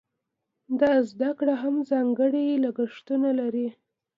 دا زده کړه هم ځانګړي لګښتونه لري.